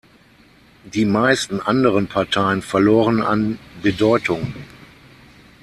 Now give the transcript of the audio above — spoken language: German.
Die meisten anderen Parteien verloren an Bedeutung.